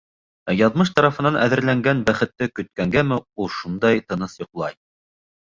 Яҙмыш тарафынан әҙерләнгән бәхетте көткәнгәме, ул шундай тыныс йоҡлай.